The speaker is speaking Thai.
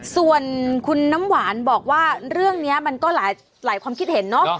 ส่วนคุณน้ำหวานบอกว่าเรื่องนี้มันก็หลายความคิดเห็นเนาะ